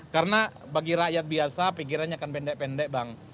karena bagi rakyat biasa pikirannya akan pendek pendek bang